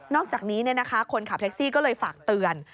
อกจากนี้คนขับแท็กซี่ก็เลยฝากเตือน